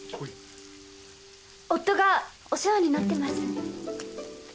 夫がお世話になってます。